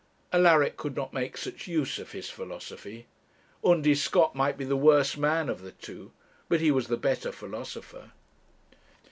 Alaric could not make such use of his philosophy. Undy Scott might be the worse man of the two, but he was the better philosopher.